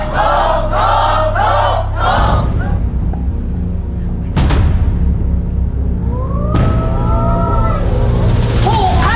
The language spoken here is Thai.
ถูกถูกถูก